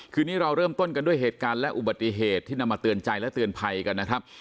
คืนนี้เราเริ่มต้นกันด้วยเหตุการณ์และอุบัติเหตุที่นำมาเตือนใจและเตือนภัยกันนะครับ